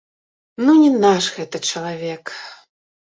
Ну не наш гэта чалавек.